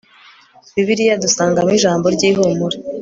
bibiliya dusangamo ijambo ryihumure